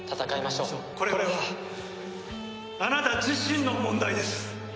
「これはあなた自身の問題です！」